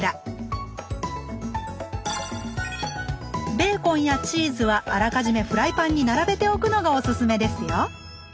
ベーコンやチーズはあらかじめフライパンに並べておくのがオススメですよ！